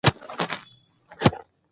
لکه د سکیلپنګ انټري چې یو مثال یې هم دا دی.